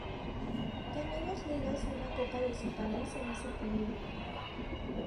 Ganó dos ligas y una copa de su país en ese periodo.